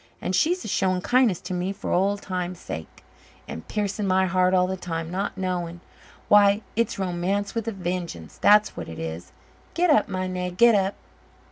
And she's a showing kindness to me for old times' sake, and piercing my heart all the time, not knowing. Why, it's romance with a vengeance, that's what it is. Get up, my nag, get up."